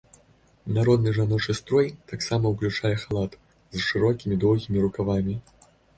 Народны жаночы строй таксама уключае халат з шырокімі доўгімі рукавамі.